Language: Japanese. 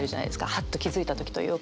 ハッと気付いた時というか。